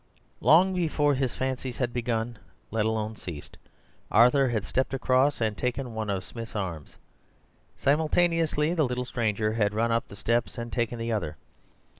Long before his fancies had begun, let alone ceased, Arthur had stepped across and taken one of Smith's arms. Simultaneously the little stranger had run up the steps and taken the other.